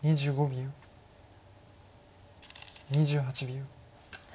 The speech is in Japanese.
２８秒。